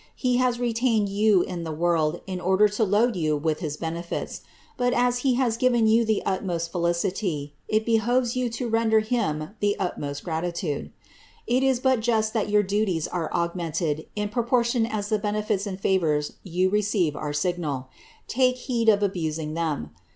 He has retained you in the world in order to load you with his benefits ; but as he has given you the utmost felicity, it behoves you to rea der him the utmost gratitude. It is but just that your duties are augmented in proportion as the benefits and favours you receive are signal. Take heed of abusing them.